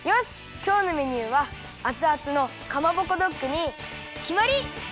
きょうのメニューはアツアツのかまぼこドッグにきまり！